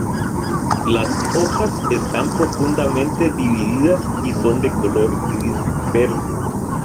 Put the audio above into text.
Las hojas están profundamente divididas y son de color gris-verde.